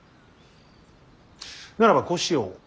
ならばこうしよう。